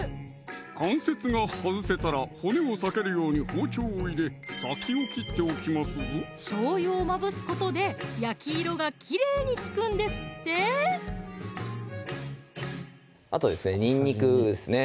関節が外せたら骨を避けるように包丁を入れ先を切っておきますぞしょうゆをまぶすことで焼き色がキレイにつくんですってあとですねにんにくですね